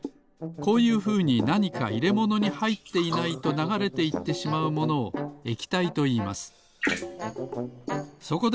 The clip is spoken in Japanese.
こういうふうになにかいれものにはいっていないとながれていってしまうものを液体といいます。